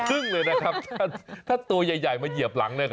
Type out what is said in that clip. หักครึ่งเลยนะครับถ้าตัวใหญ่มาเหยียบหลังนี่